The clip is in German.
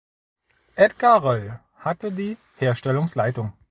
Edgar Röll hatte die Herstellungsleitung.